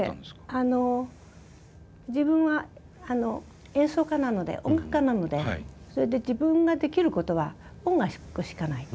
あの「自分は演奏家なので音楽家なので自分ができることは音楽しかない。